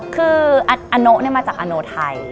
คืออันนู้นี่มาจากอันนู้ทาย